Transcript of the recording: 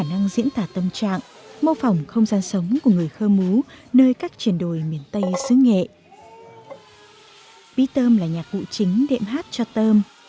độc đáo nhất trong hệ thống nhạc hữu của người khơ mú là cây pí tơm